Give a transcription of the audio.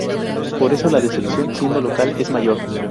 Por eso la decepción, siendo locales, es mayor.